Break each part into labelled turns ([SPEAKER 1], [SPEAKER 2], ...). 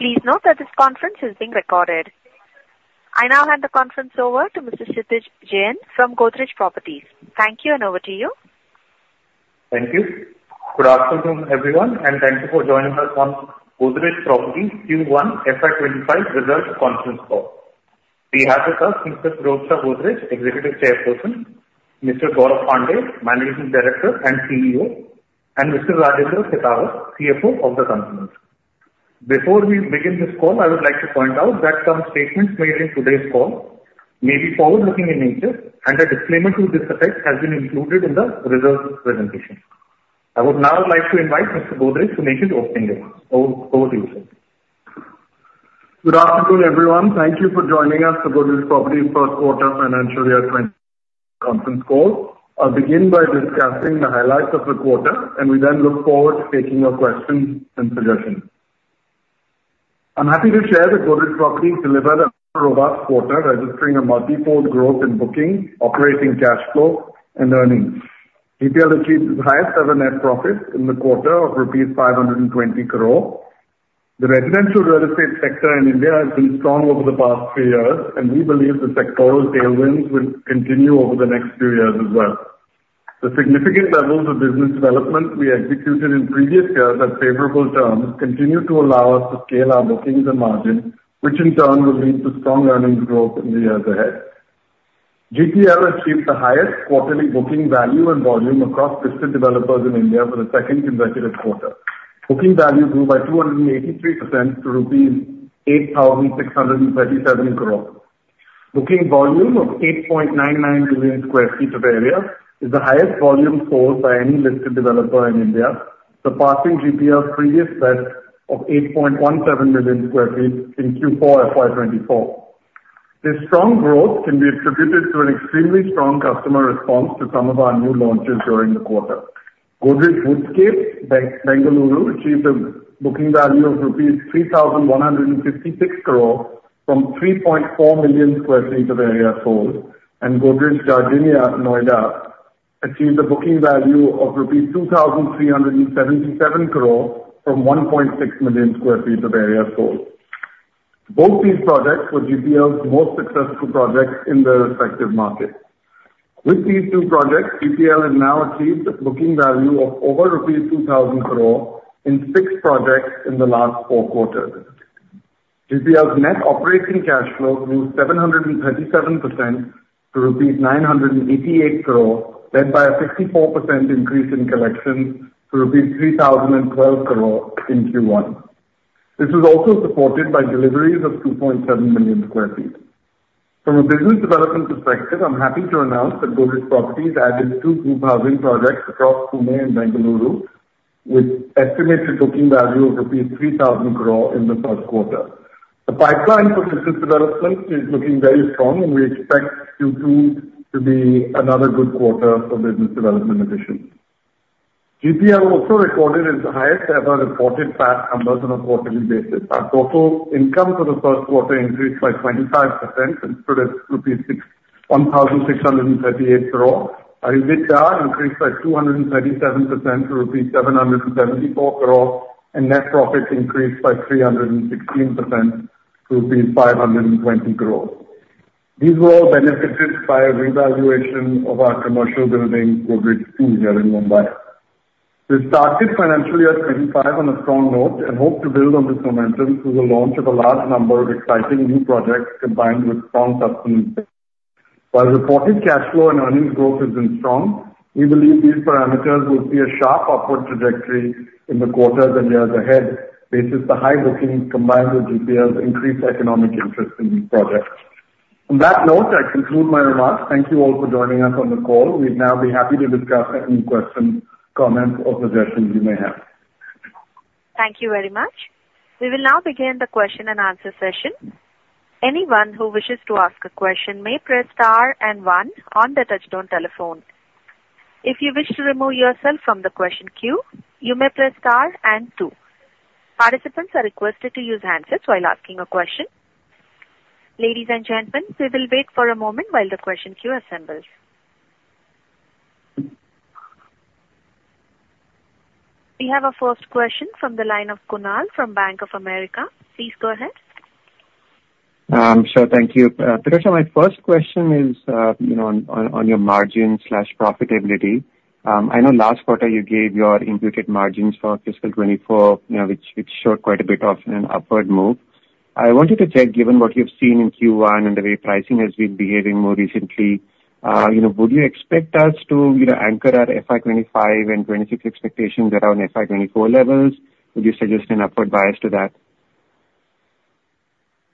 [SPEAKER 1] Please note that this conference is being recorded. I now hand the conference over to Mr. Kshitij Jain from Godrej Properties. Thank you, and over to you.
[SPEAKER 2] Thank you. Good afternoon, everyone, and thank you for joining us on Godrej Properties Q1 FY 2025 Results Conference Call. We have with us Mr. Pirojsha Godrej, Executive Chairperson, Mr. Gaurav Pandey, Managing Director and CEO, and Mr. Rajendra Khetawat, CFO of the company. Before we begin this call, I would like to point out that some statements made in today's call may be forward-looking in nature, and a disclaimer to this effect has been included in the results presentation. I would now like to invite Mr. Godrej to make his opening remarks. Over to you, sir.
[SPEAKER 3] Good afternoon, everyone. Thank you for joining us for Godrej Properties' First Quarter Financial Year 2025 Conference Call. I'll begin by discussing the highlights of the quarter, and we then look forward to taking your questions and suggestions. I'm happy to share that Godrej Properties delivered a robust quarter, registering a multi-fold growth in booking, operating cash flow, and earnings. GPL achieved its highest-ever net profit in the quarter of rupees 520 crore. The residential real estate sector in India has been strong over the past three years, and we believe the sectoral tailwinds will continue over the next few years as well. The significant levels of business development we executed in previous years at favorable terms continue to allow us to scale our bookings and margins, which in turn will lead to strong earnings growth in the years ahead. GPL achieved the highest quarterly booking value and volume across listed developers in India for the second consecutive quarter. Booking value grew by 283% to rupees 8,637 crore. Booking volume of 8.99 million sq ft of area is the highest volume sold by any listed developer in India, surpassing GPL's previous best of 8.17 million sq ft in Q4 FY 2024. This strong growth can be attributed to an extremely strong customer response to some of our new launches during the quarter. Godrej Woodscape, Bengaluru, achieved a booking value of rupees 3,156 crore from 3.4 million sq ft of area sold, and Godrej Jardinia, Noida, achieved a booking value of rupees 2,377 crore from 1.6 million sq ft of area sold. Both these projects were GPL's most successful projects in their respective markets. With these two projects, GPL has now achieved a booking value of over rupees 2,000 crore in six projects in the last four quarters. GPL's net operating cash flow grew 737% to 988 crore, led by a 54% increase in collections to 3,012 crore in Q1. This was also supported by deliveries of 2.7 million sq ft. From a business development perspective, I'm happy to announce that Godrej Properties added two group housing projects across Pune and Bengaluru, with an estimated booking value of rupees 3,000 crore in the first quarter. The pipeline for business development is looking very strong, and we expect Q2 to be another good quarter for business development additions. GPL also recorded its highest-ever reported PAT numbers on a quarterly basis. Our total income for the first quarter increased by 25% and stood at rupees 1,638 crore. Our EBITDA increased by 237% to rupees 774 crore, and net profit increased by 316% to rupees 520 crore. These were all benefited by a revaluation of our commercial building, Godrej Two, here in Mumbai. We started financial year 2025 on a strong note and hope to build on this momentum through the launch of a large number of exciting new projects combined with strong customer intake. While reported cash flow and earnings growth have been strong, we believe these parameters will see a sharp upward trajectory in the quarters and years ahead based on the high bookings combined with GPL's increased economic interest in these projects. On that note, I conclude my remarks. Thank you all for joining us on the call. We'd now be happy to discuss any questions, comments, or suggestions you may have.
[SPEAKER 1] Thank you very much. We will now begin the question and answer session. Anyone who wishes to ask a question may press star and one on the touch-tone telephone. If you wish to remove yourself from the question queue, you may press star and two. Participants are requested to use handsets while asking a question. Ladies and gentlemen, we will wait for a moment while the question queue assembles. We have a first question from the line of Kunal from Bank of America. Please go ahead.
[SPEAKER 4] Sure, thank you. Pirojsha, my first question is on your margins/profitability. I know last quarter you gave your imputed margins for fiscal 2024, which showed quite a bit of an upward move. I wanted to check, given what you've seen in Q1 and the way pricing has been behaving more recently, would you expect us to anchor our FY 2025 and 2026 expectations around FY 2024 levels? Would you suggest an upward bias to that?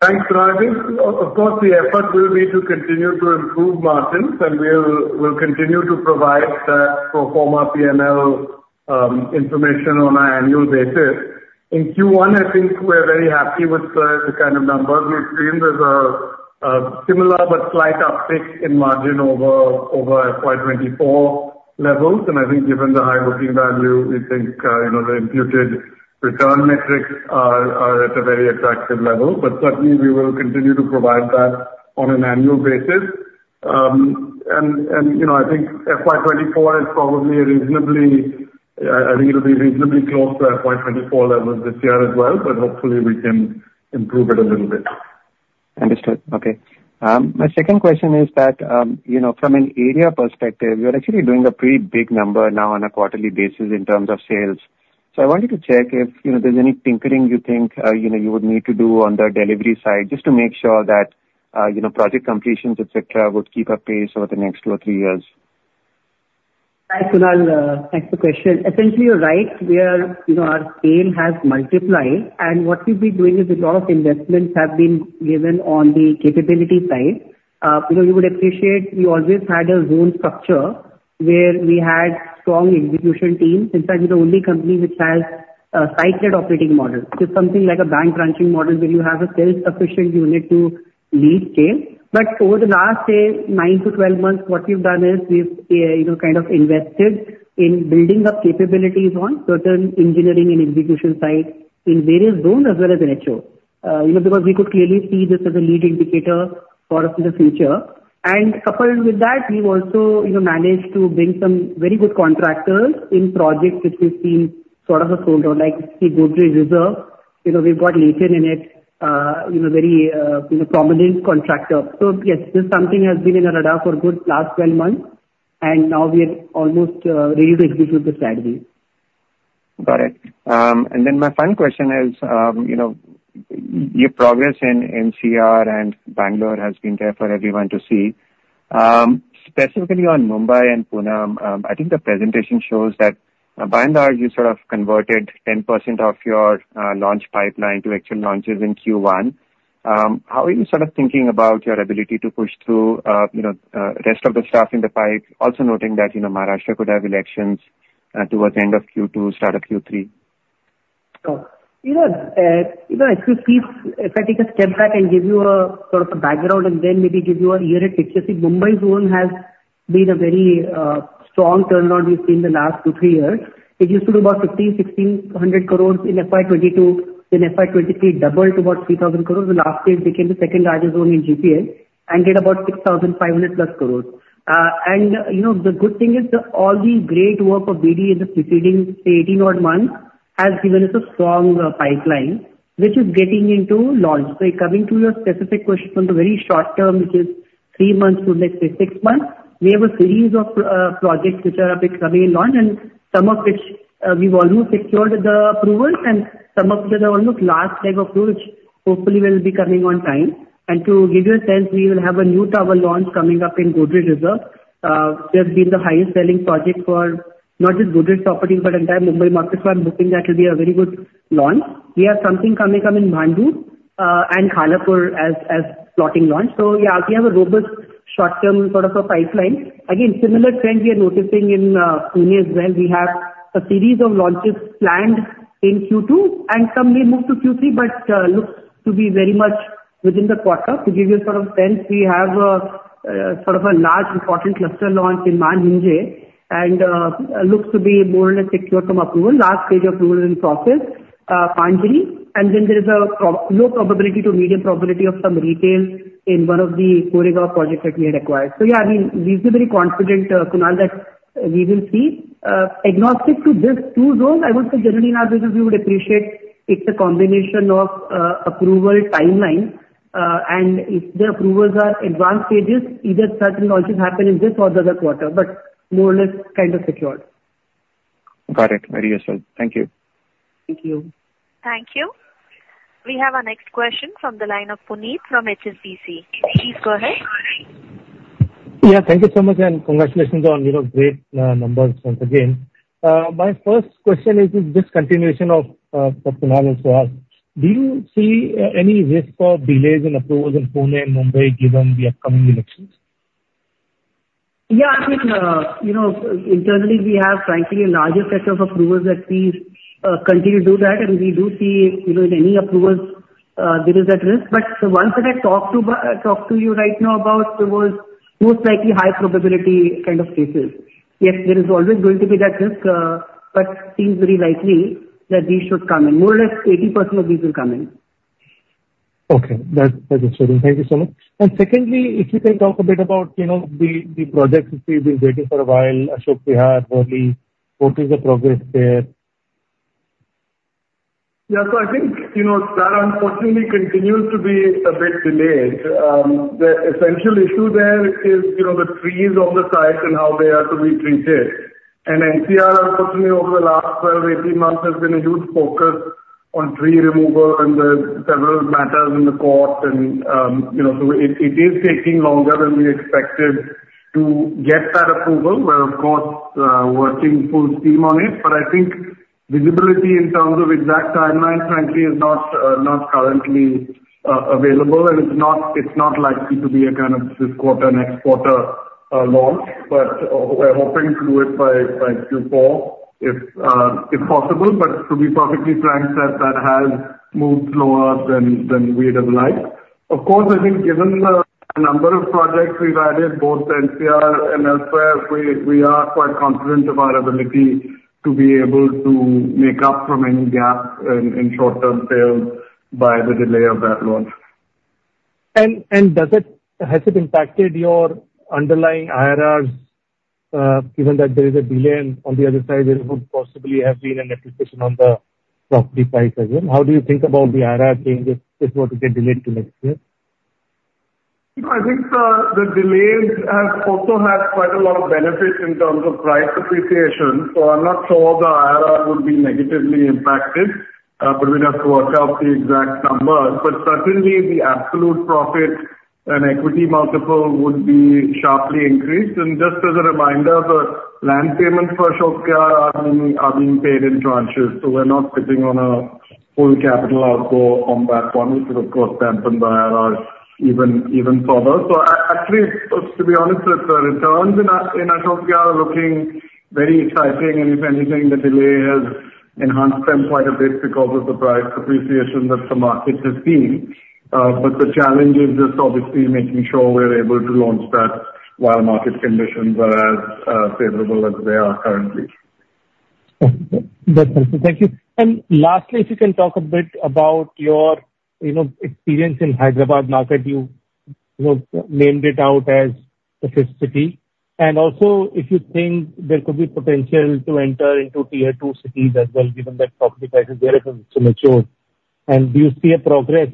[SPEAKER 3] Thanks, Kunal. Of course, the effort will be to continue to improve margins, and we'll continue to provide that pro forma P&L information on an annual basis. In Q1, I think we're very happy with the kind of numbers we've seen. There's a similar but slight uptick in margin over FY 2024 levels, and I think given the high booking value, we think the imputed return metrics are at a very attractive level. But certainly, we will continue to provide that on an annual basis. And I think FY 2024 is probably a reasonably. I think it'll be reasonably close to FY 2024 levels this year as well, but hopefully we can improve it a little bit.
[SPEAKER 4] Understood. Okay. My second question is that from an area perspective, you're actually doing a pretty big number now on a quarterly basis in terms of sales. So I wanted to check if there's any tinkering you think you would need to do on the delivery side just to make sure that project completions,, et cetera, would keep up pace over the next two or three years.
[SPEAKER 5] Thanks, Kunal. Thanks for the question. Essentially, you're right. Our scale has multiplied, and what we've been doing is a lot of investments have been given on the capability side. You would appreciate we always had a zone structure where we had strong execution teams. In fact, we're the only company which has a cycled operating model, just something like a bank branching model where you have a self-sufficient unit to lead scale. But over the last 9-12 months, what we've done is we've kind of invested in building up capabilities on certain engineering and execution sites in various zones as well as in HO because we could clearly see this as a lead indicator for the future. And coupled with that, we've also managed to bring some very good contractors in projects which we've seen sort of a sold-out, like the Godrej Reserve. We've got L&T in it, a very prominent contractor. So yes, this is something that has been on the radar for a good last 12 months, and now we're almost ready to execute the strategy.
[SPEAKER 4] Got it. Then my final question is your progress in NCR and Bengaluru has been there for everyone to see. Specifically on Mumbai and Pune, I think the presentation shows that by and large, you sort of converted 10% of your launch pipeline to actual launches in Q1. How are you sort of thinking about your ability to push through the rest of the stuff in the pipe, also noting that Maharashtra could have elections towards the end of Q2, start of Q3?
[SPEAKER 5] You know, I could see if I take a step back and give you sort of a background and then maybe give you a year in pictures. Mumbai's zone has been a very strong turnaround we've seen in the last two, three years. It used to be about 1,500 crore-1,600 crore in FY 2022. In FY 2023, it doubled to about 3,000 crore. The last year, it became the second largest zone in GPL and did about 6,500+ crore. And the good thing is all the great work of BD in the preceding, say, 18-odd months has given us a strong pipeline, which is getting into launch. So coming to your specific question on the very short term, which is three months to next six months, we have a series of projects which are coming in launch, and some of which we've almost secured the approvals, and some of which are almost last leg of road, which hopefully will be coming on time. And to give you a sense, we will have a new tower launch coming up in Godrej Reserve. There's been the highest-selling project for not just Godrej Properties but entire Mumbai market. So I'm hoping that will be a very good launch. We have something coming up in Bhandup and Khalapur as plotting launch. So yeah, we have a robust short-term sort of a pipeline. Again, similar trend we are noticing in Pune as well. We have a series of launches planned in Q2, and some may move to Q3, but looks to be very much within the quarter. To give you a sort of sense, we have sort of a large important cluster launch in Mahalunge and looks to be more or less secure from approval. Last stage of approval in process, Manjari. And then there is a low probability to medium probability of some retail in one of the Koregaon projects that we had acquired. So yeah, I mean, we've been very confident, Kunal, that we will see. Agnostic to these two zones, I would say generally in our business, we would appreciate if the combination of approval timeline and if the approvals are advanced stages, either certain launches happen in this or the other quarter, but more or less kind of secured.
[SPEAKER 4] Got it. Very useful. Thank you.
[SPEAKER 5] Thank you.
[SPEAKER 1] Thank you. We have our next question from the line of Puneet from HSBC. Please go ahead.
[SPEAKER 6] Yeah, thank you so much, and congratulations on great numbers once again. My first question is just continuation of what Kunal also asked. Do you see any risk of delays in approvals in Pune and Mumbai given the upcoming elections?
[SPEAKER 5] Yeah, I mean, internally, we have, frankly, a larger set of approvals that we continue to do that, and we do see in any approvals there is that risk. But the ones that I talked to you right now about were most likely high probability kind of cases. Yes, there is always going to be that risk, but it seems very likely that these should come in. More or less 80% of these will come in.
[SPEAKER 6] Okay. That's interesting. Thank you so much. And secondly, if you can talk a bit about the projects which we've been waiting for a while, Ashok Vihar, Worli, what is the progress there?
[SPEAKER 3] Yeah, so I think that unfortunately continues to be a bit delayed. The essential issue there is the trees on the sites and how they are to be treated. NCR, unfortunately, over the last 12, 18 months, there's been a huge focus on tree removal and there's several matters in the court. So it is taking longer than we expected to get that approval. We're, of course, working full steam on it, but I think visibility in terms of exact timeline, frankly, is not currently available, and it's not likely to be a kind of this quarter-next quarter launch. But we're hoping to do it by Q4 if possible. But to be perfectly frank, that has moved slower than we'd have liked. Of course, I think given the number of projects we've added, both NCR and elsewhere, we are quite confident of our ability to be able to make up for any gap in short-term sales by the delay of that launch.
[SPEAKER 6] Has it impacted your underlying IRRs given that there is a delay on the other side? There could possibly have been an appreciation on the property price as well. How do you think about the IRR change if it were to get delayed to next year?
[SPEAKER 3] I think the delays have also had quite a lot of benefits in terms of price appreciation. So I'm not sure the IRR would be negatively impacted, but we'd have to work out the exact numbers. But certainly, the absolute profit and equity multiple would be sharply increased. And just as a reminder, the land payments for Ashok Vihar are being paid in tranches, so we're not sitting on a full capital outgo on that one, which would, of course, dampen the IRR even further. So actually, to be honest, the returns in Ashok Vihar are looking very exciting. And if anything, the delay has enhanced them quite a bit because of the price appreciation that the market has seen. But the challenge is just obviously making sure we're able to launch that while market conditions are as favorable as they are currently.
[SPEAKER 6] That's helpful. Thank you. Lastly, if you can talk a bit about your experience in Hyderabad market. You named it out as the fifth city. Also, if you think there could be potential to enter into tier two cities as well, given that property prices there have been so mature. Do you see a progress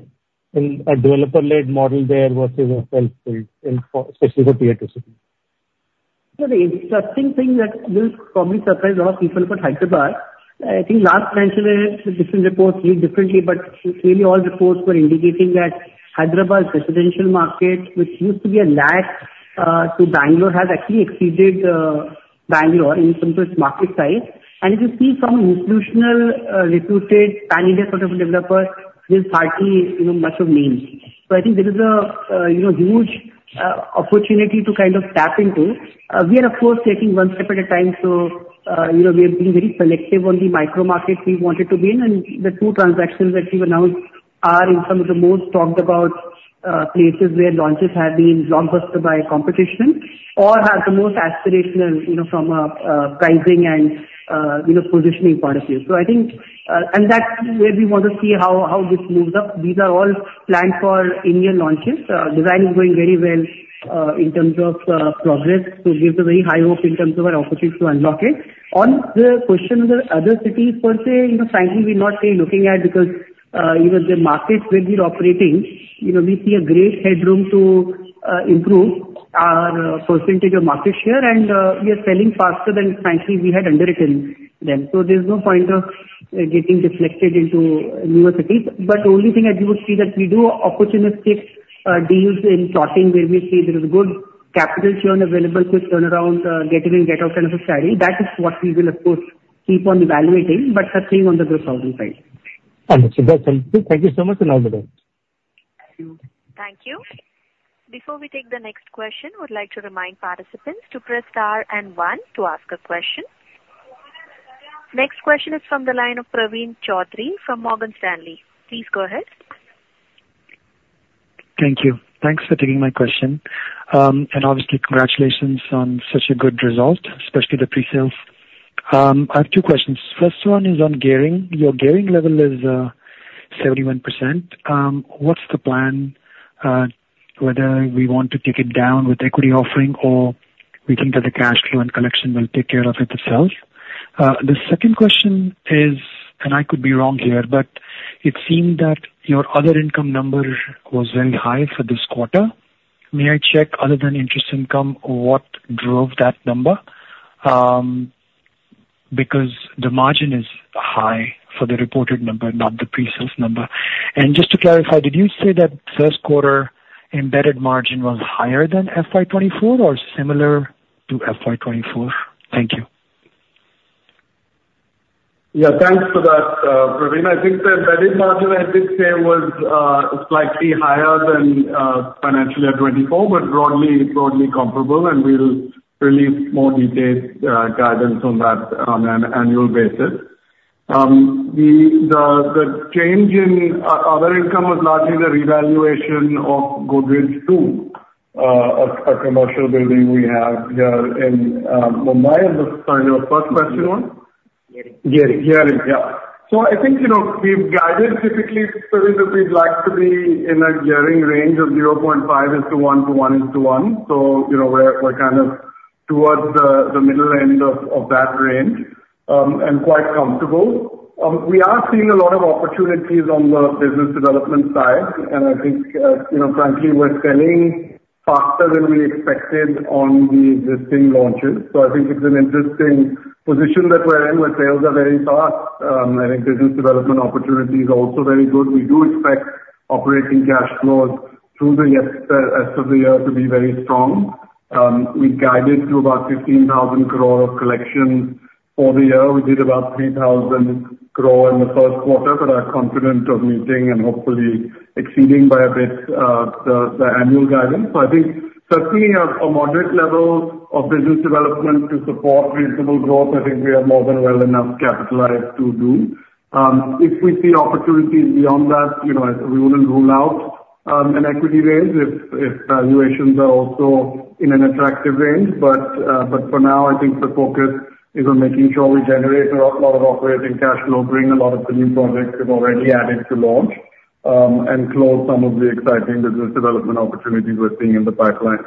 [SPEAKER 6] in a developer-led model there versus a self-build, especially for tier two cities?
[SPEAKER 5] So the interesting thing that will probably surprise a lot of people about Hyderabad, I think last financial year different reports looked differently, but really all reports were indicating that Hyderabad's residential market, which used to be a lag to Bengaluru, has actually exceeded Bengaluru in terms of its market size. And if you see some institutional reputed pan-India sort of developer, there's hardly much of need. So I think there is a huge opportunity to kind of tap into. We are, of course, taking one step at a time, so we have been very selective on the micro market we wanted to be in. And the two transactions that we've announced are in some of the most talked-about places where launches have been blockbuster by competition or have the most aspirational from a pricing and positioning point of view. So I think, and that's where we want to see how this moves up. These are all planned for immediate launches. The design is going very well in terms of progress, so it gives us very high hope in terms of our opportunity to unlock it. On the question of the other cities per se, frankly, we're not really looking at because the markets where we're operating, we see a great headroom to improve our percentage of market share, and we are selling faster than frankly we had underwritten them. So there's no point of getting deflected into newer cities. But the only thing that we would see that we do opportunistic deals in plotting where we see there is a good capital churn available to turn around getting in, get out kind of a strategy. That is what we will, of course, keep on evaluating, but certainly on the gross housing side.
[SPEAKER 6] Understood. That's helpful. Thank you so much, and all the best.
[SPEAKER 5] Thank you.
[SPEAKER 1] Thank you. Before we take the next question, we'd like to remind participants to press star and one to ask a question. Next question is from the line of Praveen Choudhary from Morgan Stanley. Please go ahead.
[SPEAKER 7] Thank you. Thanks for taking my question. Obviously, congratulations on such a good result, especially the pre-sales. I have two questions. First one is on gearing. Your gearing level is 71%. What's the plan, whether we want to take it down with equity offering or we think that the cash flow and collection will take care of it itself? The second question is, and I could be wrong here, but it seemed that your other income number was very high for this quarter. May I check, other than interest income, what drove that number? Because the margin is high for the reported number, not the pre-sales number. Just to clarify, did you say that first quarter embedded margin was higher than FY 2024 or similar to FY 2024? Thank you.
[SPEAKER 3] Yeah, thanks for that, Praveen. I think the embedded margin, I did say, was slightly higher than financial year 2024, but broadly comparable, and we'll release more detailed guidance on that on an annual basis. The change in other income was largely the revaluation of Godrej Two, a commercial building we have here in Mumbai. And the first question was?
[SPEAKER 7] Gearing.
[SPEAKER 3] Gearing. Yeah. So I think we've guided typically so we'd like to be in a gearing range of 0.5:1. So we're kind of towards the middle end of that range and quite comfortable. We are seeing a lot of opportunities on the business development side, and I think, frankly, we're selling faster than we expected on the existing launches. So I think it's an interesting position that we're in. The sales are very fast. I think business development opportunities are also very good. We do expect operating cash flows through the rest of the year to be very strong. We guided to about 15,000 crore of collections for the year. We did about 3,000 crore in the first quarter, but are confident of meeting and hopefully exceeding by a bit the annual guidance. So I think certainly a moderate level of business development to support reasonable growth, I think we have more than well enough capitalized to do. If we see opportunities beyond that, we wouldn't rule out an equity range if valuations are also in an attractive range. But for now, I think the focus is on making sure we generate a lot of operating cash flow, bring a lot of the new projects we've already added to launch, and close some of the exciting business development opportunities we're seeing in the pipeline.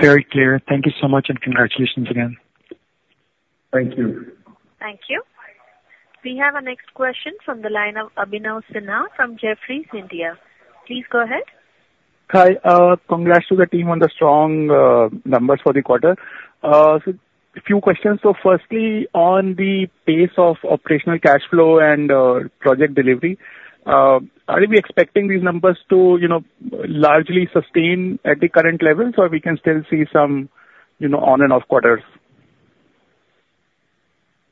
[SPEAKER 7] Very clear. Thank you so much, and congratulations again.
[SPEAKER 3] Thank you.
[SPEAKER 1] Thank you. We have a next question from the line of Abhinav Sinha from Jefferies India. Please go ahead.
[SPEAKER 8] Hi. Congrats to the team on the strong numbers for the quarter. A few questions. So firstly, on the pace of operational cash flow and project delivery, are we expecting these numbers to largely sustain at the current levels, or we can still see some on-and-off quarters?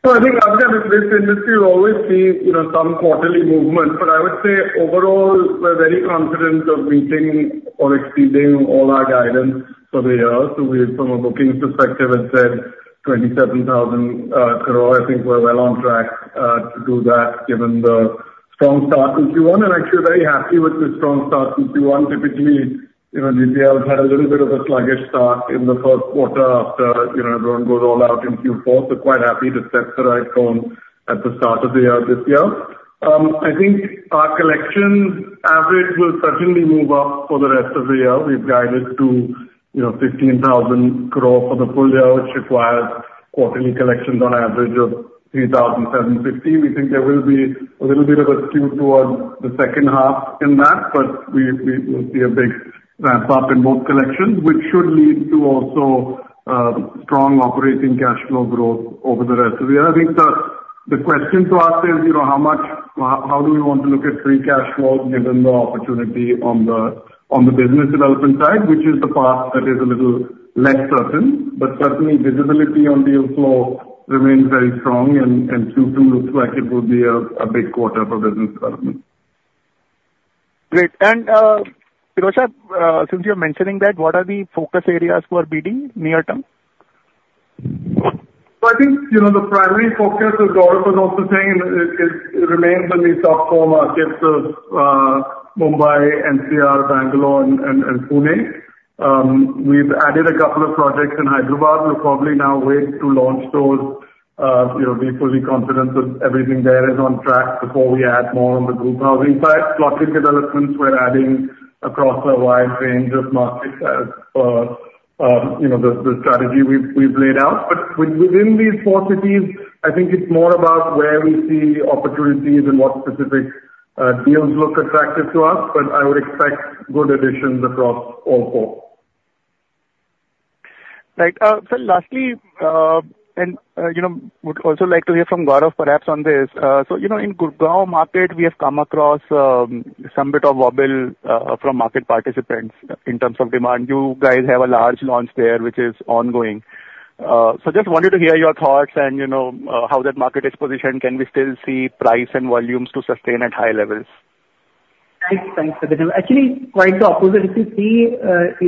[SPEAKER 3] So I think, Abhinav, in this industry, we always see some quarterly movement. But I would say overall, we're very confident of meeting or exceeding all our guidance for the year. So from a booking perspective, it's at 27,000 crore. I think we're well on track to do that given the strong start in Q1. And actually, we're very happy with the strong start in Q1. Typically, UPL had a little bit of a sluggish start in the first quarter after everyone goes all out in Q4. So quite happy to set the right tone at the start of the year this year. I think our collection average will certainly move up for the rest of the year. We've guided to 15,000 crore for the full year, which requires quarterly collections on average of 3,750 crore. We think there will be a little bit of a skew towards the second half in that, but we will see a big ramp-up in both collections, which should lead to also strong operating cash flow growth over the rest of the year. I think the question to ask is, how do we want to look at free cash flow given the opportunity on the business development side, which is the path that is a little less certain. But certainly, visibility on deal flow remains very strong, and Q2 looks like it will be a big quarter for business development.
[SPEAKER 8] Great. And Pirojsha, since you're mentioning that, what are the focus areas for BD near term?
[SPEAKER 3] So I think the primary focus, as Gaurav was also saying, remains on these top four markets of Mumbai, NCR, Bengaluru, and Pune. We've added a couple of projects in Hyderabad. We'll probably now wait to launch those. We're fully confident that everything there is on track before we add more on the group housing side. Plotting developments, we're adding across a wide range of markets as per the strategy we've laid out. But within these four cities, I think it's more about where we see opportunities and what specific deals look attractive to us. But I would expect good additions across all four.
[SPEAKER 8] Right. Lastly, we'd also like to hear from Gaurav perhaps on this. In Gurugram market, we have come across some bit of wobble from market participants in terms of demand. You guys have a large launch there, which is ongoing. Just wanted to hear your thoughts and how that market is positioned. Can we still see price and volumes to sustain at high levels?
[SPEAKER 5] Thanks. Thanks for the demo. Actually, quite the opposite. If you see,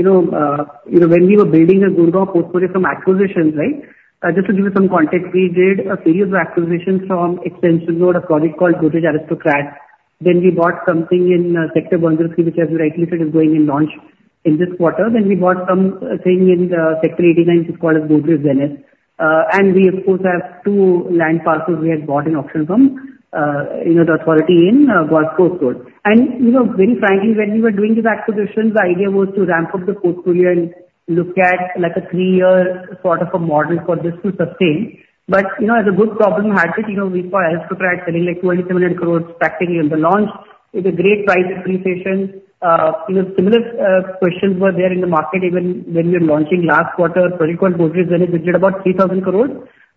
[SPEAKER 5] when we were building the Gurugram portfolio from acquisitions, right, just to give you some context, we did a series of acquisitions from Golf Extension Road, a project called Godrej Aristocrat. Then we bought something in Sector 103, which, as you rightly said, is going in launch in this quarter. Then we bought something in Sector 89, which is called Godrej Zenith. And we, of course, have two land parcels we had bought in auction from the authority in Golf Course Road. And very frankly, when we were doing these acquisitions, the idea was to ramp up the portfolio and look at a three year sort of a model for this to sustain. But as a good problem had been, we saw Aristocrat selling like 2,700 crore back in the launch with a great price appreciation. Similar questions were there in the market even when we were launching last quarter. The project called Godrej Zenith, we did about 3,000 crore.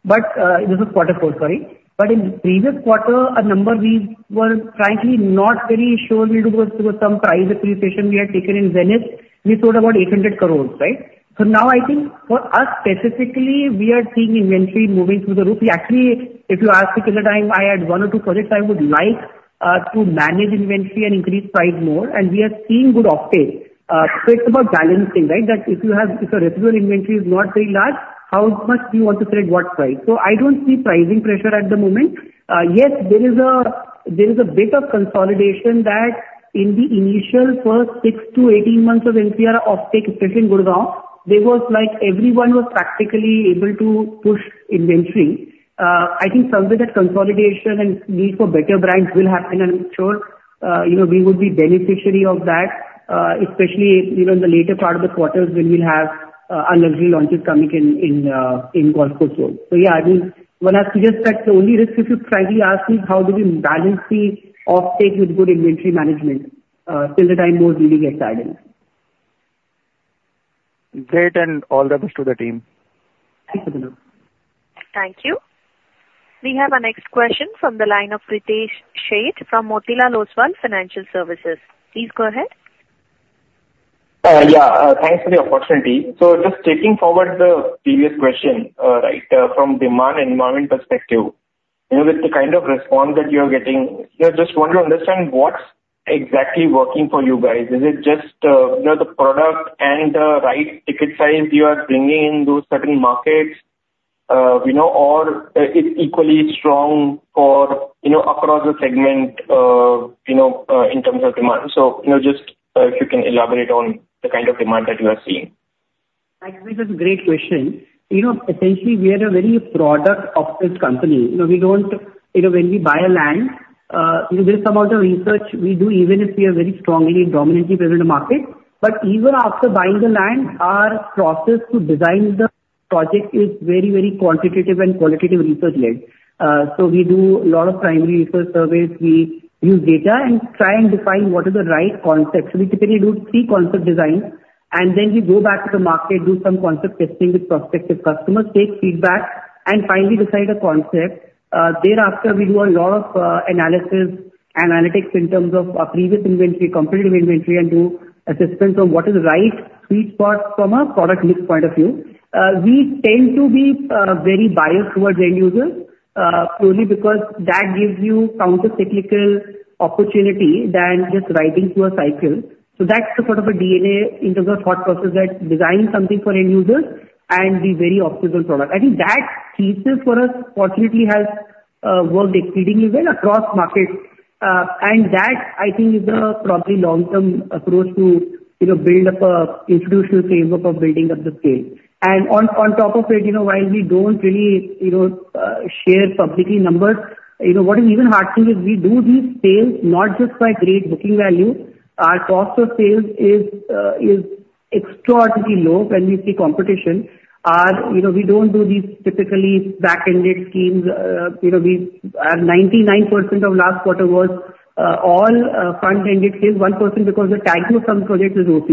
[SPEAKER 5] But this was quarter four, sorry. But in the previous quarter, a number we were frankly not very sure we were to go through some price appreciation. We had taken in Zenith, we sold about 800 crore, right? So now I think for us specifically, we are seeing inventory moving through the roof. Actually, if you ask me at the time, I had one or two projects I would like to manage inventory and increase price more. And we are seeing good offtake. So it's about balancing, right? That if you have a residual inventory is not very large, how much do you want to select what price? So I don't see pricing pressure at the moment. Yes, there is a bit of consolidation that in the initial first 6 to 18 months of NCR offtake, especially in Gurugram, there was like everyone was practically able to push inventory. I think somewhere that consolidation and need for better brands will happen, and I'm sure we would be beneficiary of that, especially in the later part of the quarters when we'll have our luxury launches coming in Golf Course Road. So yeah, I mean, when I suggest that the only risk, if you frankly ask me, how do we balance the offtake with good inventory management, still the time more really gets added.
[SPEAKER 8] Great. All the best to the team.
[SPEAKER 5] Thanks for the demo.
[SPEAKER 1] Thank you. We have a next question from the line of Pritesh Sheth from Motilal Oswal Financial Services. Please go ahead.
[SPEAKER 9] Yeah. Thanks for the opportunity. So just taking forward the previous question, right, from demand and environment perspective, with the kind of response that you're getting, just want to understand what's exactly working for you guys. Is it just the product and the right ticket size you are bringing in those certain markets, or it's equally strong across the segment in terms of demand? So just if you can elaborate on the kind of demand that you are seeing.
[SPEAKER 5] Actually, that's a great question. Essentially, we are a very product-opted company. We don't, when we buy a land, there's some of the research we do, even if we are very strongly and dominantly present in the market. But even after buying the land, our process to design the project is very, very quantitative and qualitative research led. So we do a lot of primary research surveys. We use data and try and define what is the right concept. So we typically do three concept designs, and then we go back to the market, do some concept testing with prospective customers, take feedback, and finally decide a concept. Thereafter, we do a lot of analysis and analytics in terms of our previous inventory, competitive inventory, and do assessments on what is the right sweet spot from a product mix point of view. We tend to be very biased towards end users purely because that gives you countercyclical opportunity than just riding through a cycle. So that's the sort of a DNA in terms of thought process that designs something for end users and be very optimal product. I think that piece for us fortunately has worked exceedingly well across markets. And that, I think, is the probably long-term approach to build up an institutional framework of building up the scale. And on top of it, while we don't really share publicly numbers, what is even heartening is we do these sales not just by great booking value. Our cost of sales is extraordinarily low when we see competition. We don't do these typically back-ended schemes. Our 99% of last quarter was all front-ended sales, 1% because the tag of some project is OC,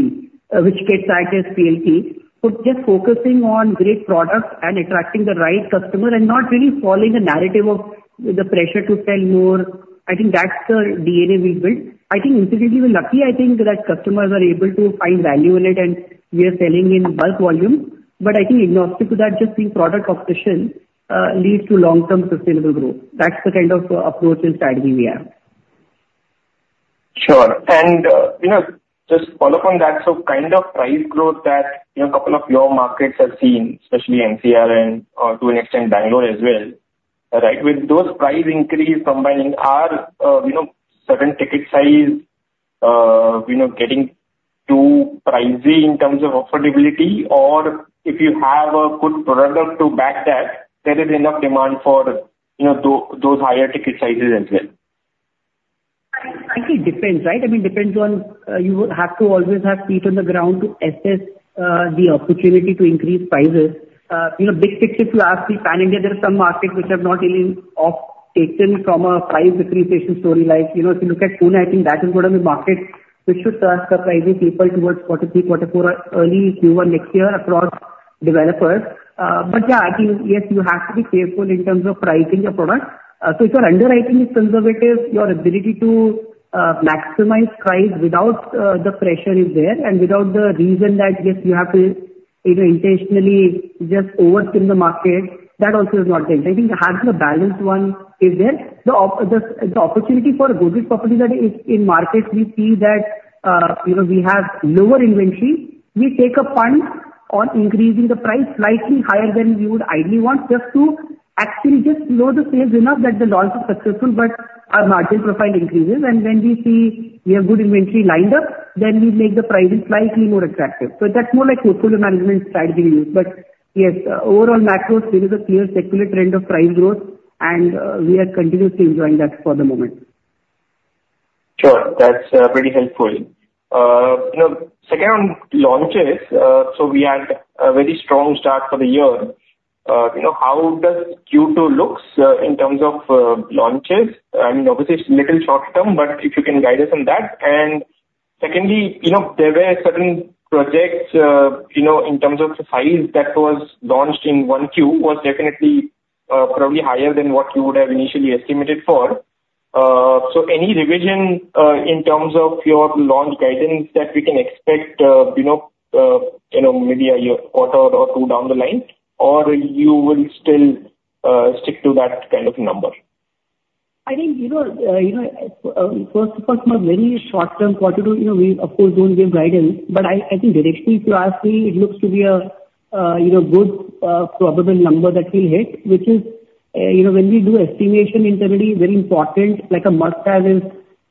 [SPEAKER 5] which gets access PLP. So just focusing on great products and attracting the right customer and not really following the narrative of the pressure to sell more, I think that's the DNA we've built. I think incidentally, we're lucky. I think that customers are able to find value in it, and we are selling in bulk volume. But I think agnostic to that, just seeing product obsession leads to long-term sustainable growth. That's the kind of approach and strategy we have.
[SPEAKER 9] Sure. And just follow up on that. So kind of price growth that a couple of your markets have seen, especially NCR and to an extent Bangalore as well, right, with those price increases coming to a certain ticket size, getting too pricey in terms of affordability, or if you have a good product to back that, there is enough demand for those higher ticket sizes as well?
[SPEAKER 5] I think it depends, right? I mean, it depends on you have to always have feet on the ground to assess the opportunity to increase prices. Big picture, if you ask me, pan-India, there are some markets which have not really taken from a price appreciation story like if you look at Pune, I think that is going to be a market which should start surprising people towards Q3, Q4, early Q1 next year across developers. But yeah, I think, yes, you have to be careful in terms of pricing your product. So if your underwriting is conservative, your ability to maximize price without the pressure is there. And without the reason that, yes, you have to intentionally just overstimulate the market, that also is not there. I think having a balanced one is there. The opportunity for Godrej Properties that is in markets, we see that we have lower inventory. We take a punch on increasing the price slightly higher than we would ideally want just to actually just slow the sales enough that the launch is successful, but our margin profile increases. And when we see we have good inventory lined up, then we make the pricing slightly moreattractive. So that's more like portfolio management strategy we use. But yes, overall macro, there is a clear circular trend of price growth, and we are continuously enjoying that for the moment.
[SPEAKER 9] Sure. That's pretty helpful. Second, on launches, so we had a very strong start for the year. How does Q2 look in terms of launches? I mean, obviously, it's a little short term, but if you can guide us on that. And secondly, there were certain projects in terms of the size that was launched in Q1 was definitely probably higher than what you would have initially estimated for. So any revision in terms of your launch guidance that we can expect maybe a year or two down the line, or you will still stick to that kind of number?
[SPEAKER 5] I think first of all, it's a very short-term quarter two. We, of course, don't give guidance. But I think directly, if you ask me, it looks to be a good probable number that we'll hit, which is when we do estimation internally. Very important, like a must-have is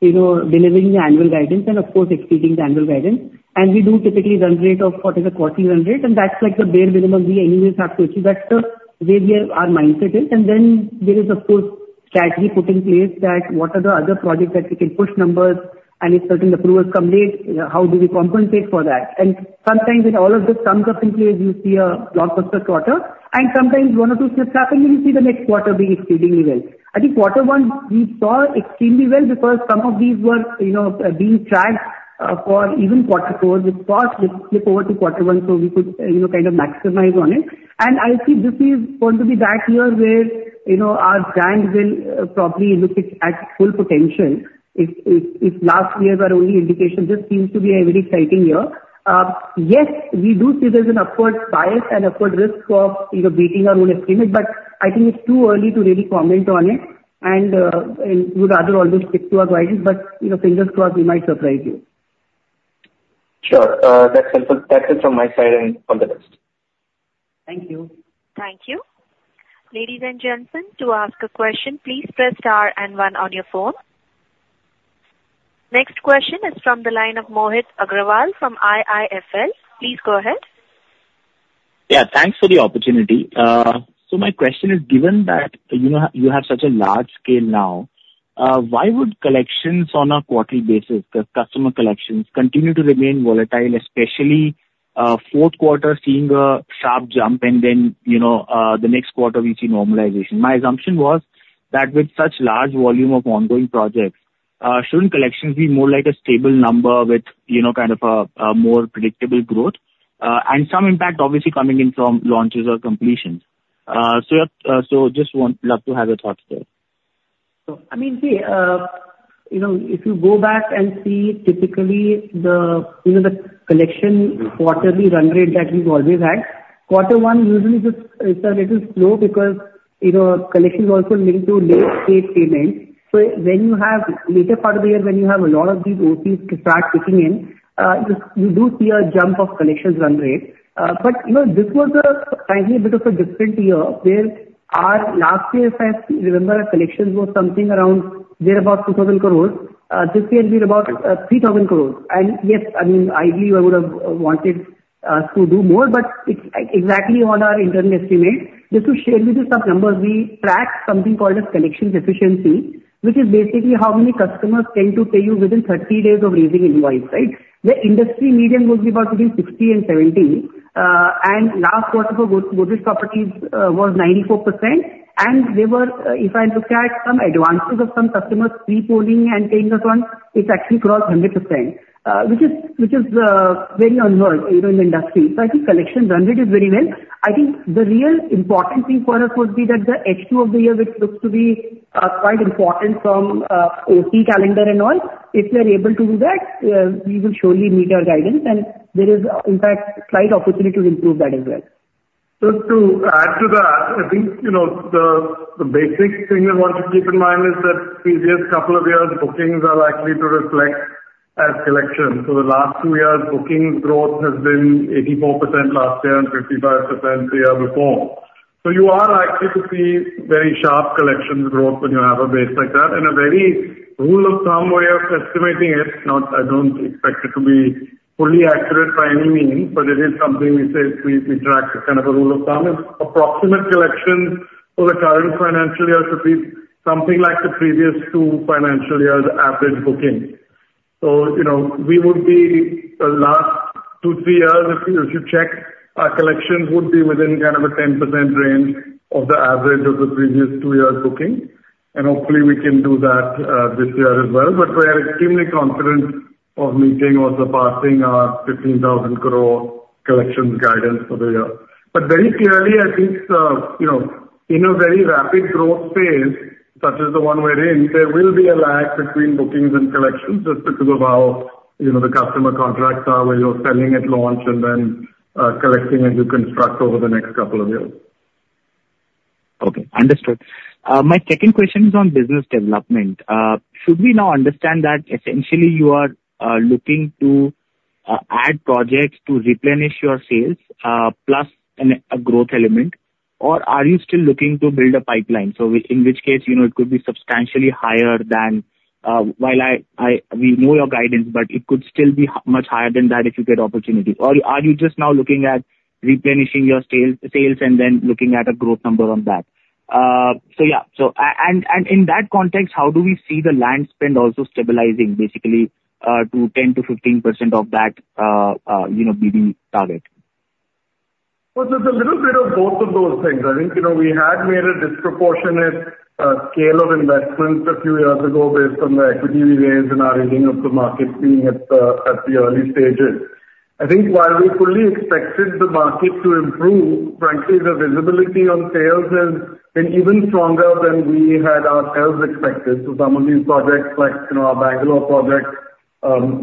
[SPEAKER 5] delivering the annual guidance and, of course, exceeding the annual guidance. And we do typically run rate of what is a quarterly run rate. And that's like the bare minimum we anyways have to achieve. That's the way our mindset is. And then there is, of course, strategy put in place that what are the other projects that we can push numbers, and if certain approvals come late, how do we compensate for that? And sometimes when all of this comes up in place, you see a blockbuster quarter. Sometimes one or two slips happen, then you see the next quarter being exceedingly well. I think quarter one, we saw extremely well because some of these were being tracked for even quarter four, which caused the slip over to quarter one so we could kind of maximize on it. I think this is going to be that year where our brand will probably look at full potential if last years are only indication. This seems to be a very exciting year. Yes, we do see there's an upward bias and upward risk of beating our own estimate, but I think it's too early to really comment on it. We would rather always stick to our guidance, but fingers crossed we might surprise you.
[SPEAKER 9] Sure. That's it from my side and from the best.
[SPEAKER 5] Thank you.
[SPEAKER 1] Thank you. Ladies and gentlemen, to ask a question, please press star and one on your phone. Next question is from the line of Mohit Agrawal from IIFL. Please go ahead.
[SPEAKER 10] Yeah. Thanks for the opportunity. So my question is, given that you have such a large scale now, why would collections on a quarterly basis, the customer collections, continue to remain volatile, especially fourth quarter seeing a sharp jump, and then the next quarter we see normalization? My assumption was that with such large volume of ongoing projects, shouldn't collections be more like a stable number with kind of a more predictable growth and some impact, obviously, coming in from launches or completions? So just would love to have your thoughts there.
[SPEAKER 5] So I mean, see, if you go back and see, typically, the collection quarterly run rate that we've always had, quarter one usually is a little slow because collections also link to late-stage payments. So when you have later part of the year, when you have a lot of these OCs to start kicking in, you do see a jump of collections run rate. But this was frankly a bit of a different year where our last year, if I remember, collections were something around near about 2,000 crore. This year, we're about 3,000 crore. And yes, I mean, ideally, I would have wanted us to do more, but exactly on our internal estimate. Just to share with you some numbers, we track something called as collection efficiency, which is basically how many customers tend to pay you within 30 days of raising invoice, right? The industry median will be about between 60%-70%. Last quarter for Godrej Properties was 94%. And if I look at some advances of some customers pre-paying and paying us on time, it's actually crossed 100%, which is very unheard of in the industry. So I think collection run rate is very well. I think the real important thing for us would be that the H2 of the year, which looks to be quite important from our calendar and all, if we are able to do that, we will surely meet our guidance. There is, in fact, slight opportunity to improve that as well.
[SPEAKER 3] So to add to that, I think the basic thing we want to keep in mind is that these years, couple of years, bookings are likely to reflect as collections. So the last two years, booking growth has been 84% last year and 55% the year before. So you are likely to see very sharp collections growth when you have a base like that. And a very rule of thumb way of estimating it, I don't expect it to be fully accurate by any means, but it is something we track with kind of a rule of thumb. Approximate collections for the current financial year should be something like the previous two financial years' average booking. So we would be the last two, three years, if you check, our collections would be within kind of a 10% range of the average of the previous two years' booking. Hopefully, we can do that this year as well. We are extremely confident of meeting or surpassing our 15,000 crore collections guidance for the year. Very clearly, I think in a very rapid growth phase, such as the one we're in, there will be a lag between bookings and collections just because of how the customer contracts are where you're selling at launch and then collecting as you construct over the next couple of years.
[SPEAKER 10] Okay. Understood. My second question is on business development. Should we now understand that essentially you are looking to add projects to replenish your sales plus a growth element, or are you still looking to build a pipeline? So in which case, it could be substantially higher than while we know your guidance, but it could still be much higher than that if you get opportunity. Or are you just now looking at replenishing your sales and then looking at a growth number on that? So yeah. And in that context, how do we see the land spend also stabilizing, basically to 10%-15% of that BD target?
[SPEAKER 3] Well, there's a little bit of both of those things. I think we had made a disproportionate scale of investments a few years ago based on the equity we raised and our reading of the market being at the early stages. I think while we fully expected the market to improve, frankly, the visibility on sales has been even stronger than we had ourselves expected. So some of these projects, like our Bengaluru project,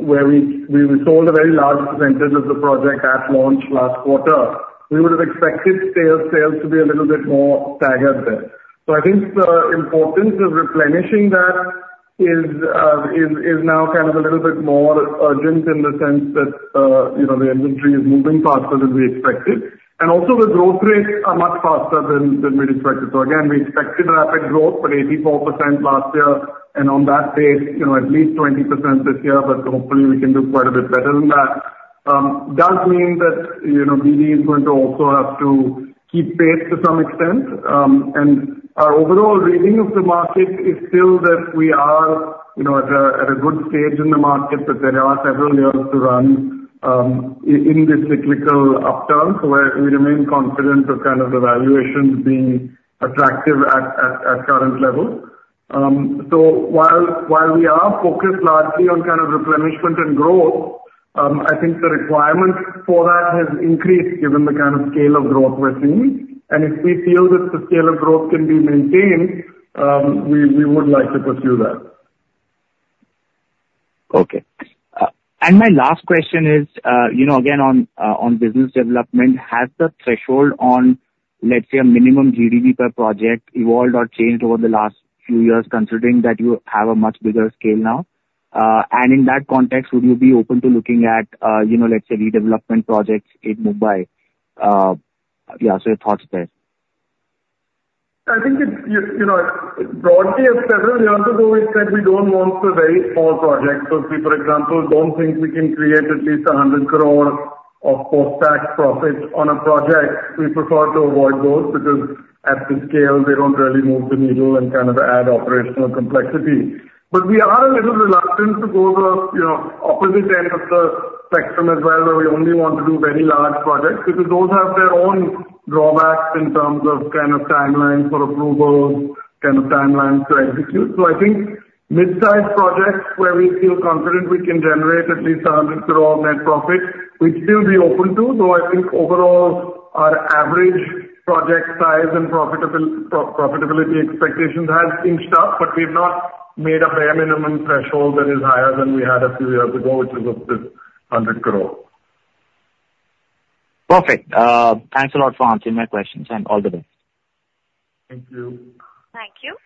[SPEAKER 3] where we sold a very large percentage of the project at launch last quarter, we would have expected sales to be a little bit more staggered there. So I think the importance of replenishing that is now kind of a little bit more urgent in the sense that the inventory is moving faster than we expected. And also, the growth rates are much faster than we expected. So again, we expected rapid growth, but 84% last year. And on that base, at least 20% this year, but hopefully, we can do quite a bit better than that. Does mean that BD is going to also have to keep pace to some extent. And our overall reading of the market is still that we are at a good stage in the market, but there are several years to run in this cyclical upturn where we remain confident of kind of the valuations being attractive at current levels. So while we are focused largely on kind of replenishment and growth, I think the requirement for that has increased given the kind of scale of growth we're seeing. And if we feel that the scale of growth can be maintained, we would like to pursue that.
[SPEAKER 10] Okay. And my last question is, again, on business development, has the threshold on, let's say, a minimum GDP per project evolved or changed over the last few years, considering that you have a much bigger scale now? And in that context, would you be open to looking at, let's say, redevelopment projects in Mumbai? Yeah. So your thoughts there.
[SPEAKER 3] I think broadly, several years ago, we said we don't want the very small projects. So we, for example, don't think we can create at least 100 crore of post-tax profits on a project. We prefer to avoid those because at the scale, they don't really move the needle and kind of add operational complexity. But we are a little reluctant to go the opposite end of the spectrum as well, where we only want to do very large projects because those have their own drawbacks in terms of kind of timelines for approvals, kind of timelines to execute. So I think mid-size projects where we feel confident we can generate at least 100 crore net profit, we'd still be open to. Though I think overall, our average project size and profitability expectations have inched up, but we've not made a bare minimum threshold that is higher than we had a few years ago, which is up to 100 crore.
[SPEAKER 10] Perfect. Thanks a lot for answering my questions. All the best.
[SPEAKER 3] Thank you.
[SPEAKER 1] Thank you.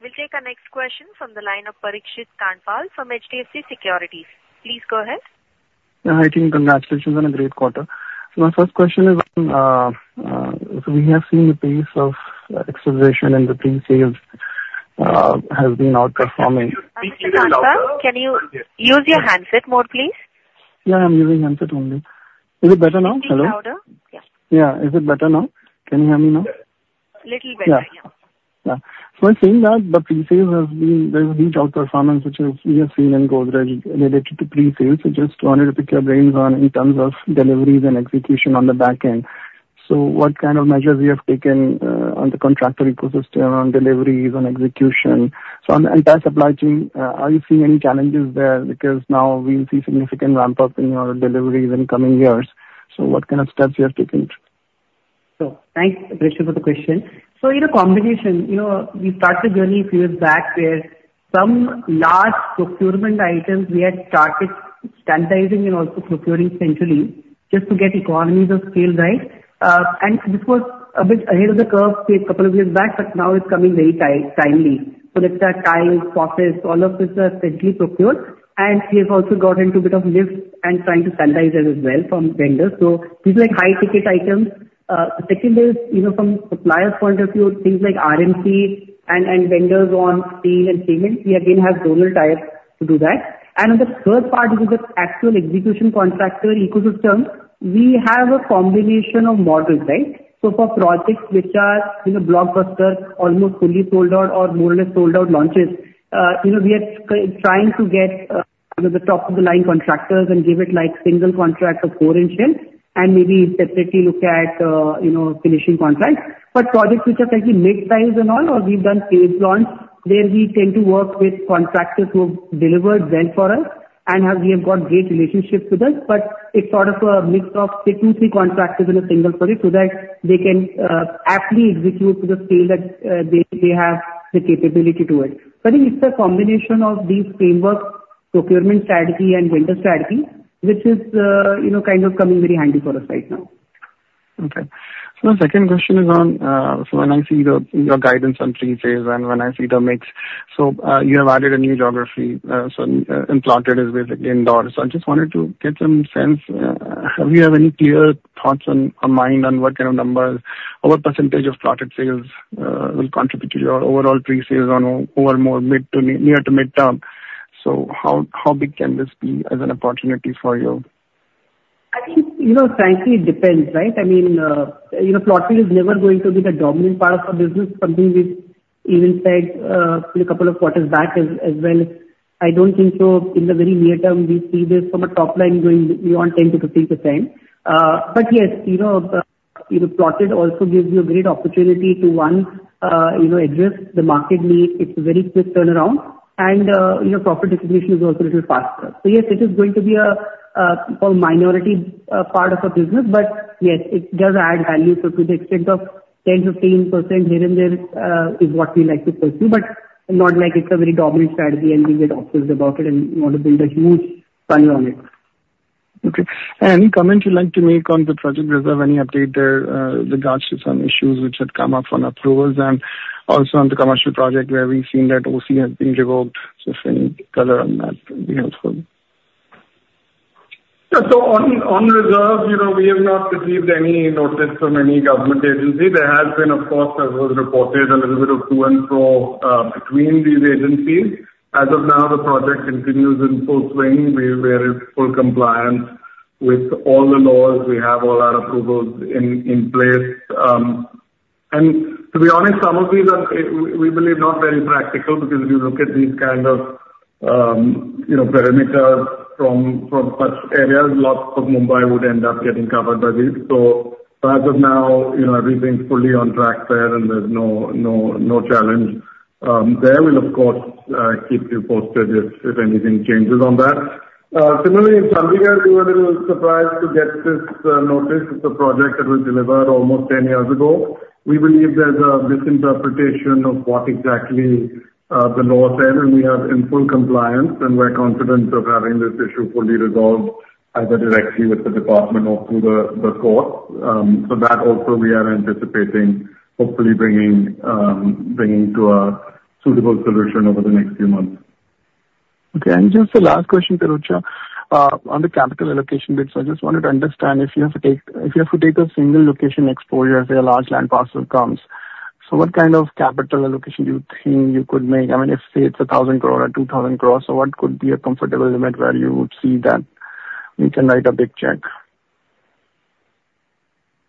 [SPEAKER 1] We'll take our next question from the line of Parikshit Kandpal from HDFC Securities. Please go ahead.
[SPEAKER 11] Hi, team. Congratulations on a great quarter. My first question is, so we have seen the pace of acceleration and the pre-sales has been outperforming.
[SPEAKER 1] Can you use your handset mode, please?
[SPEAKER 11] Yeah. I'm using handset only. Is it better now? Hello?
[SPEAKER 1] Can you speak louder?
[SPEAKER 11] Yeah. Is it better now? Can you hear me now?
[SPEAKER 1] A little better, yeah.
[SPEAKER 11] Yeah. So I've seen that the pre-sales has been; there's a huge outperformance, which we have seen in Godrej related to pre-sales. We just wanted to pick your brains on, in terms of deliveries and execution on the back end. So what kind of measures you have taken on the contractor ecosystem on deliveries, on execution? So on the entire supply chain, are you seeing any challenges there? Because now we see significant ramp-up in your deliveries in coming years. So what kind of steps you have taken?
[SPEAKER 5] Thanks, Parikshit, for the question. In a combination, we started the journey a few years back where some large procurement items we had started standardizing and also procuring centrally just to get economies of scale right. This was a bit ahead of the curve a couple of years back, but now it's coming very timely. It's that tiles, faucets, all of this are centrally procured. We have also got into a bit of lifts and trying to standardize that as well from vendors. These are high-ticket items. Second is, from suppliers' point of view, things like R&D and vendors on steel and cement, we again have longer ties to do that. On the third part, which is the actual execution contractor ecosystem, we have a combination of models, right? So for projects which are blockbuster, almost fully sold out, or more or less sold out launches, we are trying to get the top-of-the-line contractors and give it single contracts of core and shell and maybe separately look at finishing contracts. But projects which are slightly mid-size and all, or we've done phase launch where we tend to work with contractors who have delivered well for us and have got great relationships with us, but it's sort of a mix of, say, two, three contractors in a single project so that they can aptly execute to the scale that they have the capability to it. So I think it's a combination of these frameworks, procurement strategy, and vendor strategy, which is kind of coming very handy for us right now.
[SPEAKER 11] Okay. So my second question is on, so when I see your guidance on pre-sales and when I see the mix, so you have added a new geography. So your entry is basically Indore. So I just wanted to get some sense. Do you have any clear thoughts in mind on what kind of numbers or what percentage of plotted sales will contribute to your overall pre-sales or in the near- to mid-term? So how big can this be as an opportunity for you?
[SPEAKER 5] I think, frankly, it depends, right? I mean, plotted is never going to be the dominant part of our business. Something we even said a couple of quarters back as well. I don't think so. In the very near term, we see this from a top line going beyond 10%-15%. But yes, plotted also gives you a great opportunity to, one, address the market need. It's a very quick turnaround. And profit distribution is also a little faster. So yes, it is going to be a minority part of our business, but yes, it does add value. So to the extent of 10%-15% here and there is what we like to pursue, but not like it's a very dominant strategy and we get obsessed about it and want to build a huge value on it.
[SPEAKER 11] Okay. Any comment you'd like to make on the project Reserve? Any update there regards to some issues which had come up on approvals and also on the commercial project where we've seen that OC has been revoked? So if any color on that would be helpful.
[SPEAKER 3] Yeah. So on Reserve, we have not received any notice from any government agency. There has been, of course, as was reported, a little bit of to and fro between these agencies. As of now, the project continues in full swing. We are in full compliance with all the laws. We have all our approvals in place. And to be honest, some of these we believe not very practical because if you look at these kind of parameters from such areas, lots of Mumbai would end up getting covered by these. So as of now, everything's fully on track there, and there's no challenge there. We'll, of course, keep you posted if anything changes on that. Similarly, in Chandigarh, we were a little surprised to get this notice. It's a project that was delivered almost 10 years ago. We believe there's a misinterpretation of what exactly the law said, and we are in full compliance, and we're confident of having this issue fully resolved either directly with the department or through the courts. So that also, we are anticipating, hopefully, bringing to a suitable solution over the next few months.
[SPEAKER 11] Okay. And just the last question, Pirojsha, on the capital allocation bit. So I just wanted to understand if you have to take a single location exposure, say, a large land parcel comes. So what kind of capital allocation do you think you could make? I mean, if, say, it's 1,000 crore or 2,000 crore, so what could be a comfortable limit where you would see that we can write a big check?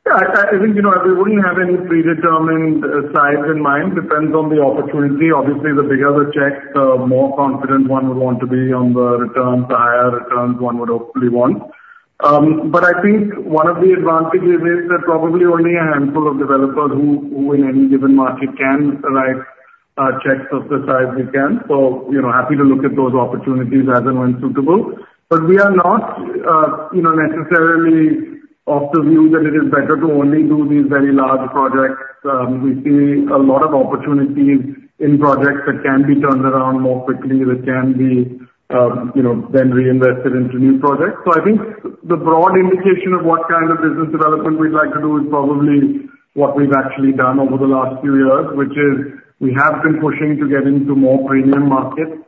[SPEAKER 3] Yeah. I think we wouldn't have any predetermined size in mind. Depends on the opportunity. Obviously, the bigger the check, the more confident one would want to be on the returns. The higher returns, one would hopefully want. But I think one of the advantages is that probably only a handful of developers who in any given market can write checks of the size we can. So happy to look at those opportunities as and when suitable. But we are not necessarily of the view that it is better to only do these very large projects. We see a lot of opportunities in projects that can be turned around more quickly that can be then reinvested into new projects. So I think the broad indication of what kind of business development we'd like to do is probably what we've actually done over the last few years, which is we have been pushing to get into more premium markets.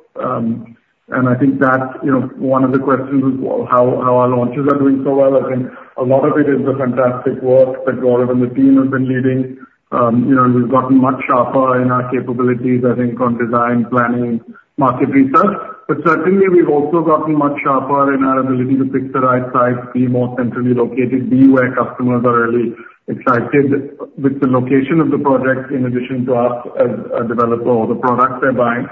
[SPEAKER 3] And I think that one of the questions is how our launches are doing so well. I think a lot of it is the fantastic work that Gaurav and the team have been leading. We've gotten much sharper in our capabilities, I think, on design, planning, market research. But certainly, we've also gotten much sharper in our ability to pick the right sites, be more centrally located, be where customers are really excited with the location of the project in addition to us as a developer or the product they're buying.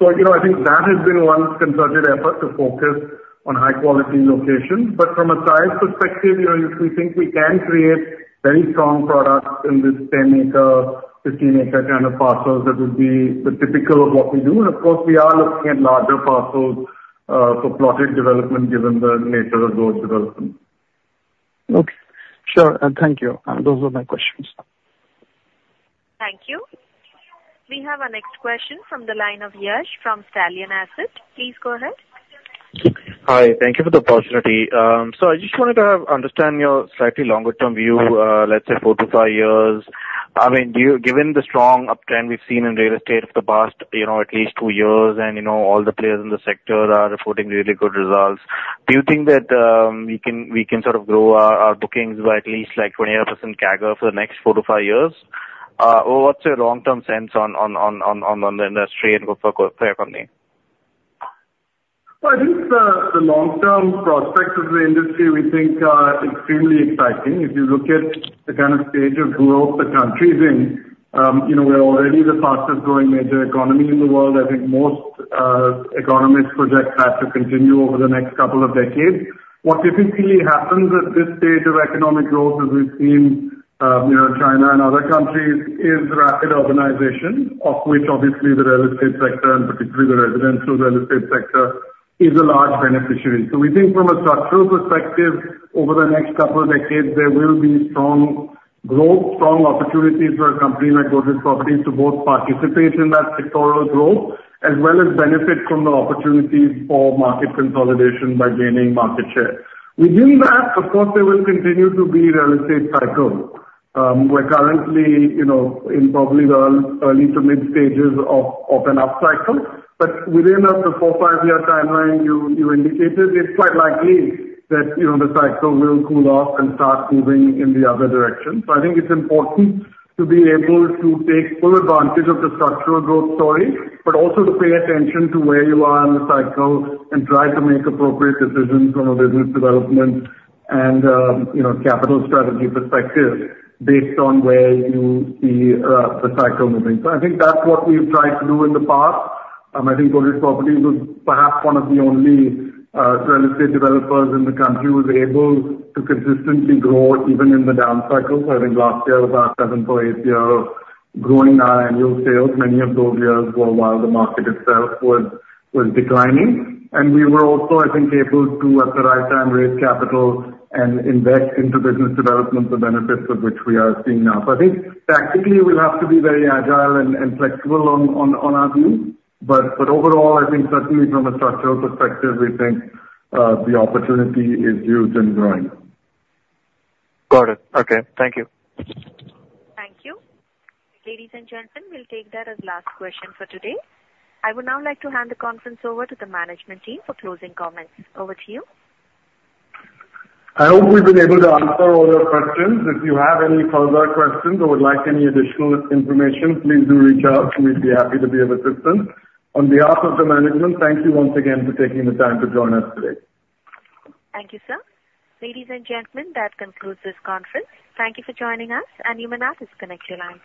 [SPEAKER 3] So I think that has been one concerted effort to focus on high-quality locations. From a size perspective, we think we can create very strong products in this 10 acre, 15 acre kind of parcels that would be the typical of what we do. Of course, we are looking at larger parcels for plotted development given the nature of those developments.
[SPEAKER 11] Okay. Sure. Thank you. Those were my questions.
[SPEAKER 1] Thank you. We have a next question from the line of Yash from Stallion Asset. Please go ahead.
[SPEAKER 12] Hi. Thank you for the opportunity. I just wanted to understand your slightly longer-term view, let's say, four to five years. I mean, given the strong uptrend we've seen in real estate for the past at least 2 years and all the players in the sector are reporting really good results, do you think that we can sort of grow our bookings by at least 28% CAGR for the next four to five years? Or what's your long-term sense on the industry and for your company?
[SPEAKER 3] Well, I think the long-term prospects of the industry, we think, are extremely exciting. If you look at the kind of stage of growth the country's in, we're already the fastest-growing major economy in the world. I think most economists project that to continue over the next couple of decades. What typically happens at this stage of economic growth, as we've seen in China and other countries, is rapid urbanization, of which obviously the real estate sector and particularly the residential real estate sector is a large beneficiary. So we think from a structural perspective, over the next couple of decades, there will be strong growth, strong opportunities for a company like Godrej Properties to both participate in that sectoral growth as well as benefit from the opportunities for market consolidation by gaining market share. Within that, of course, there will continue to be real estate cycles. We're currently in probably the early to mid stages of an up cycle. But within the four or five year timeline you indicated, it's quite likely that the cycle will cool off and start moving in the other direction. So I think it's important to be able to take full advantage of the structural growth story, but also to pay attention to where you are in the cycle and try to make appropriate decisions from a business development and capital strategy perspective based on where you see the cycle moving. So I think that's what we've tried to do in the past. I think Godrej Properties was perhaps one of the only real estate developers in the country who was able to consistently grow even in the down cycle. So I think last year was our seventh or eighth year of growing our annual sales. Many of those years were while the market itself was declining. And we were also, I think, able to, at the right time, raise capital and invest into business development, the benefits of which we are seeing now. So I think practically, we'll have to be very agile and flexible on our views. But overall, I think certainly from a structural perspective, we think the opportunity is huge and growing.
[SPEAKER 12] Got it. Okay. Thank you.
[SPEAKER 1] Thank you. Ladies and gentlemen, we'll take that as last question for today. I would now like to hand the conference over to the management team for closing comments. Over to you.
[SPEAKER 3] I hope we've been able to answer all your questions. If you have any further questions or would like any additional information, please do reach out. We'd be happy to be of assistance. On behalf of the management, thank you once again for taking the time to join us today.
[SPEAKER 1] Thank you, sir. Ladies and gentlemen, that concludes this conference. Thank you for joining us, and you may now disconnect your lines.